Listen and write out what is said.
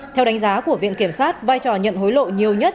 theo đánh giá của viện kiểm sát vai trò nhận hối lộ nhiều nhất